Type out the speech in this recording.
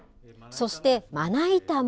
そして、まな板も。